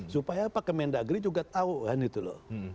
supaya apa kemendagri juga tahu kan itu loh